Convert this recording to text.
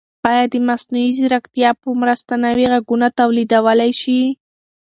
ایا د مصنوعي ځیرکتیا په مرسته نوي غږونه تولیدولای شئ؟